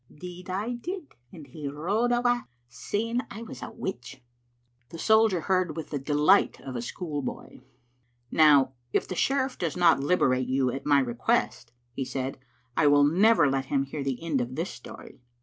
" 'Deed I did, and he rode awa' saying I was a witch. " The soldier heard with the delight of a schoolboy. " Now if the sheriff does not liberate you at my re quest," he said, "I will never let him hear the end of this story.